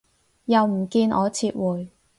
又唔見我撤回